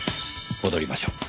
戻りましょう。